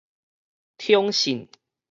寵信